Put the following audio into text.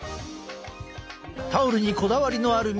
タオルにこだわりのある皆さん。